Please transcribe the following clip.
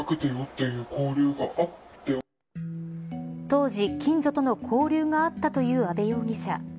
当時、近所との交流があったという阿部容疑者。